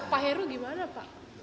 pak heru gimana pak